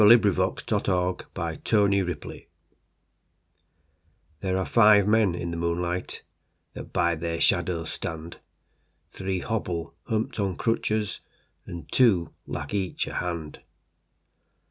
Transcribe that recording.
Laurence Binyon Men of Verdun THERE are five men in the moonlightThat by their shadows stand; Three hobble humped on crutches, And two lack each a hand.